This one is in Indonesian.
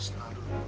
ternyata ini bos ya